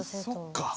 そっか。